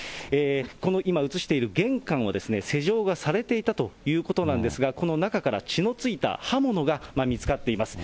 この今映している玄関は施錠がされていたということなんですが、この中から血のついた刃物が見つかっています。